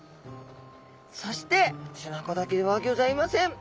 そして背中だけではギョざいません！